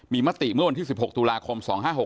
มีมติเมื่อวันที่๑๖ตุลาคม๒๕๖๖